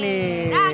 nah kita selesai